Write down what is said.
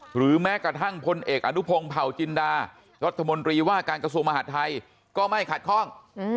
หรือแม้กระทั่งพลเอกอนุพงศ์เผาจินดารัฐมนตรีว่าการกระทรวงมหาดไทยก็ไม่ขัดข้อง